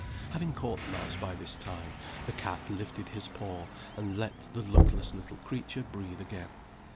(Having caught the mouse by this time, the cat lifted his paw and let the luckless little creature breathe again.